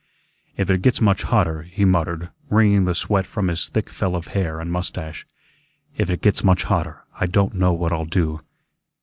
"If it gets much hotter," he muttered, wringing the sweat from his thick fell of hair and mustache, "if it gets much hotter, I don' know what I'll do."